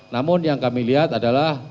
namun yang kami lihat adalah